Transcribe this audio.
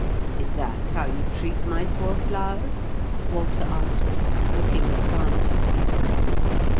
"Is that how you treat my poor flowers?" Walter asked, looking askance at her.